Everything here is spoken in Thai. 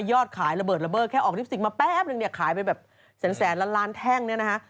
ยอดขายระเบิดระเบิดแค่ออกลิปสติกมาแป๊บนึงเนี่ยขายไปแบบแสนล้านล้านแท่งเนี่ยนะฮะ